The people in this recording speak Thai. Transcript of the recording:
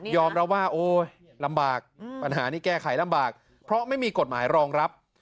รับว่าโอ้ยลำบากปัญหานี้แก้ไขลำบากเพราะไม่มีกฎหมายรองรับ